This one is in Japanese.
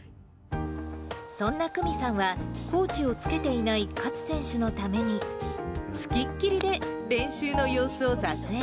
そんな久美さんは、コーチをつけていない勝選手のために、付きっきりで練習の様子を撮影。